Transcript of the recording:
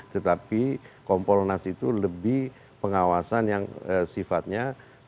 tetapi kompolnas itu lebih pengawasan yang sifatnya